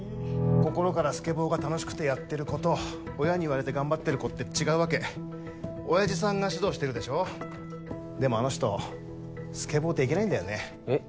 心からスケボーが楽しくてやってる子と親に言われて頑張ってる子って違うわけ親父さんが指導してるでしょでもあの人スケボーできないんだよねえっ？